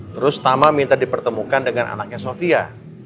terus tama minta dipertemukan dengan anaknya sofia